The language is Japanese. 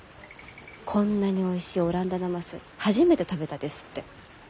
「こんなにおいしい阿蘭陀なます初めて食べた」ですって。